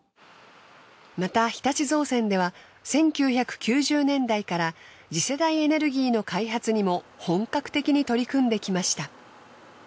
また日立造船では１９９０年代から次世代エネルギーの開発にも本格的に取り組んできました。